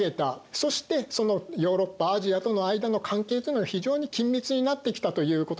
そしてそのヨーロッパアジアとの間の関係というのが非常に緊密になってきたということになります。